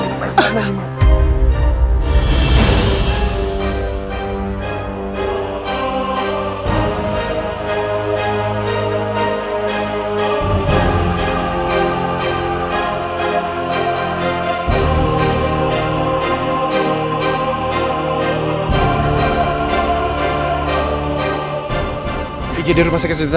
ijik di rumah sakit sederhana ya